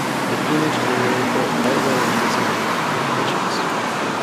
The plumage is overall paler in desert populations.